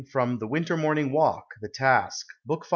FROM "THE WINTER MORNING WALK I "" THE TASK," BK.